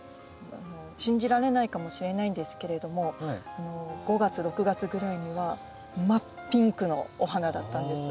信じられないかもしれないんですけれども５月６月ぐらいには真っピンクのお花だったんです。